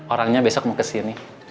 orangnya besok mau kesini